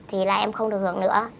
thì là em không được hưởng nữa